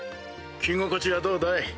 着心地はどうだい？